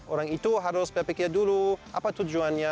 orang itu harus berpikir dulu apa tujuannya